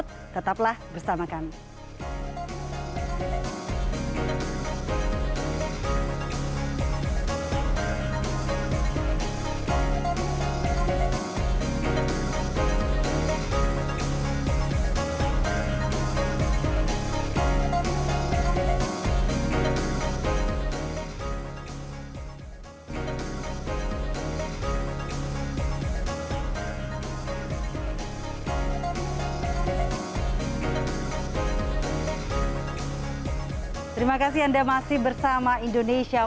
terima kasih anda masih bersama indonesia